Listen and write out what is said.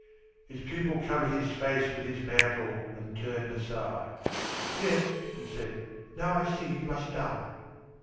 His pupil covered his face with his mantle and turned aside. "Yes," he said, "now I see you must die."